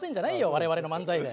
我々の漫才で！